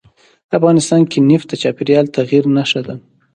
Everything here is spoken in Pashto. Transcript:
افغانستان کې نفت د چاپېریال د تغیر نښه ده.